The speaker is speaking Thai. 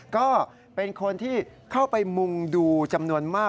ก็เป็นคนที่เข้าไปมุงดูจำนวนมาก